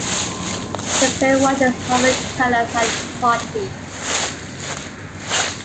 The spirit watches over Kalas and his party.